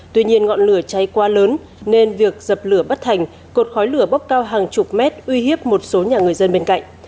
tuy nhiên ngọn lửa cháy quá lớn nên việc dập lửa bất thành cột khói lửa bốc cao hàng chục mét uy hiếp một số nhà người dân bên cạnh